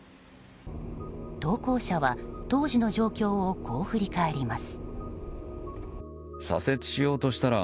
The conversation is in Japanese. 投稿者は、当時の状況をこう振り返ります。